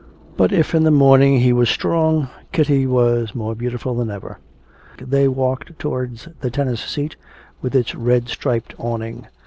But if in the morning he were strong, Kitty was more beautiful than ever. They walked towards the tennis seat, with its red striped awning.